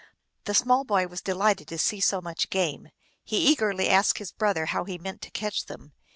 The small boy was delighted to see so much game. He eagerly asked his brother how he meant to catch them.